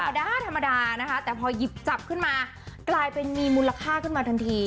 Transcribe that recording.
ธรรมดาธรรมดานะคะแต่พอหยิบจับขึ้นมากลายเป็นมีมูลค่าขึ้นมาทันที